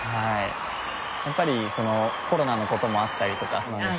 やっぱりコロナの事もあったりとかしたので。